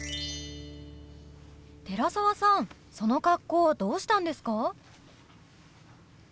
寺澤さんその格好どうしたんですか？